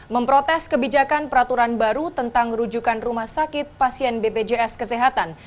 memprotes kebijakan peraturan baru tentang rujukan rumah sakit pasien bpjs kesehatan